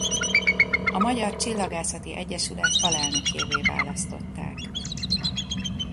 A Magyar Csillagászati Egyesület alelnökévé választották.